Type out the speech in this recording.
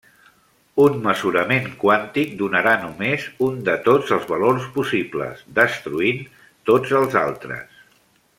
Un mesurament quàntic donarà només un de tots els valors possibles, destruint tots els altres.